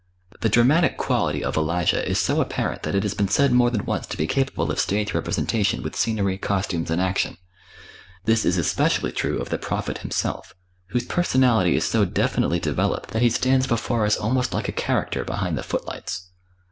The dramatic quality of "Elijah" is so apparent that it has been said more than once to be capable of stage representation with scenery, costumes and action. This is especially true of the prophet himself, whose personality is so definitely developed that he stands before us almost like a character behind the footlights.